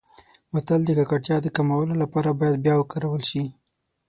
بوتل د ککړتیا د کمولو لپاره باید بیا وکارول شي.